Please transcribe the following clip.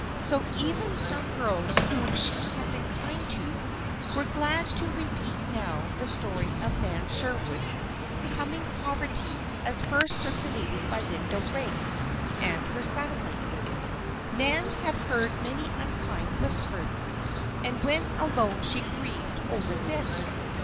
So even some girls whom she had been kind to, were glad to repeat now the story of Nan Sherwood's coming poverty as first circulated by Linda Riggs and her satellites. Nan had heard many unkind whispers, and when alone she grieved over this.